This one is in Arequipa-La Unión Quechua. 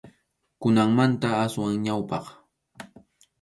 Kunanmanta aswan ñawpaq.